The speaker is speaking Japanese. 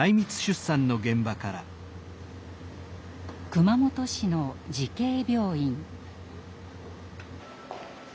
熊本市の慈恵病院。